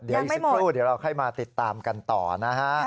เดี๋ยวอีซิกรูดเดี๋ยวเราให้มาติดตามกันต่อนะฮะ